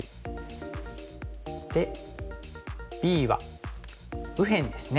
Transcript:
そしてＢは右辺ですね。